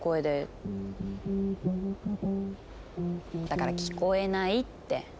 だから聞こえないって。